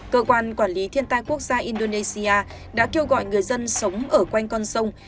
cơ quan quản lý thiên tai quốc gia indonesia đã kêu gọi người dân sống ở quanh con sông